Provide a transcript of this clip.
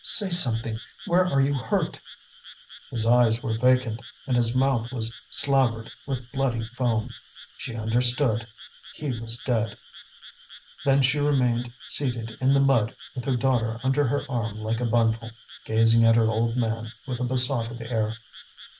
"Say something! where are you hurt?" His eyes were vacant, and his mouth was slavered with bloody foam. She understood: he was dead. Then she remained seated in the mud with her daughter under her arm like a bundle, gazing at her old man with a besotted air.